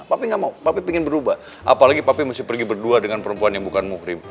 papi gak mau papi ingin berubah apalagi papi masih pergi berdua dengan perempuan yang bukan muhrim